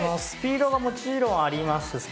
スピードがもちろんあります。